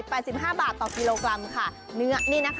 ไปเช็คราคาของเนื้อสัตว์ก่อนค่ะ